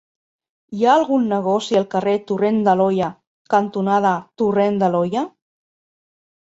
Hi ha algun negoci al carrer Torrent de l'Olla cantonada Torrent de l'Olla?